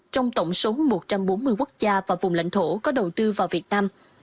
trong tổng số một trăm bốn mươi quốc gia và vùng lãnh thổ có đầu tư vào việt nam